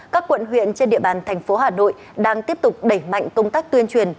các quận huyện trên địa bàn thành phố hà nội đang tiếp tục đẩy mạnh công tác tuyên truyền